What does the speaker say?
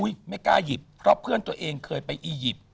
ไม่กล้าหยิบเพราะเพื่อนตัวเองเคยไปอียิปต์